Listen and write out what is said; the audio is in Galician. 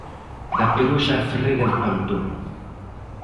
Da Peroxa a Ferreira de Pantón.